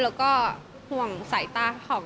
แล้วก็ห่วงสายตาของ